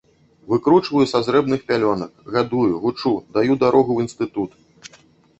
Выкручваю са зрэбных пялёнак, гадую, вучу, даю дарогу ў інстытут.